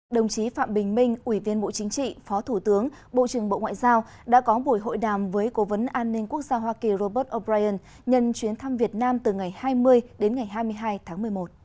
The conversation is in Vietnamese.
đồng chí phạm bình minh ủy viên bộ chính trị phó thủ tướng bộ trưởng bộ ngoại giao đã có buổi hội đàm với cố vấn an ninh quốc gia hoa kỳ robert o brien nhân chuyến thăm việt nam từ ngày hai mươi đến ngày hai mươi hai tháng một mươi một